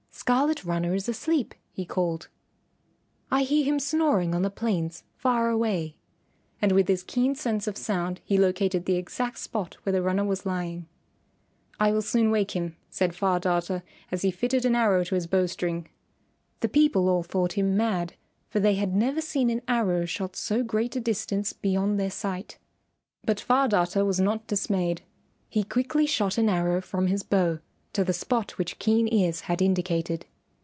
"Scarlet Runner is asleep," he called; "I hear him snoring on the plains far away." And with his keen sense of sound he located the exact spot where the runner was lying. "I will soon wake him," said Far Darter, as he fitted an arrow to his bow string. The people all thought him mad, for they had never seen an arrow shot so great a distance beyond their sight. But Far Darter was not dismayed. He quickly shot an arrow from his bow to the spot which Keen Ears had indicated.